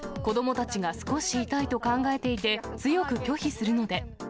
子どもたちが少し痛いと考えていて、強く拒否するので。